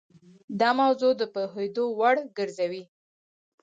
دا موضوع د پوهېدو وړ ګرځوي.